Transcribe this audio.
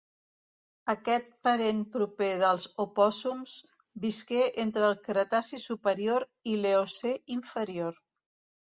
Aquest parent proper dels opòssums visqué entre el Cretaci superior i l'Eocè inferior.